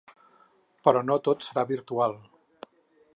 Però no tot serà virtual.